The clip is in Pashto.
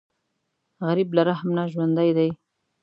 غریب له رحم نه ژوندی دی